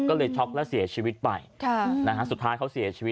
โอเวอร์โดสฮะ